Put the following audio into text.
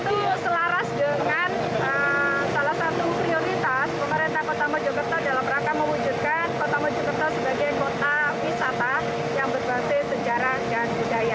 itu selaras dengan salah satu prioritas pemerintah kota mojokerto dalam rangka mewujudkan kota mojokerto sebagai kota wisata yang berbasis sejarah dan budaya